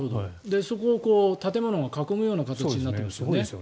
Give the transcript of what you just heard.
そこを建物が囲むような形になってますよね。